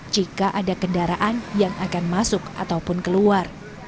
jika ada kendaraan yang akan masuk ataupun keluar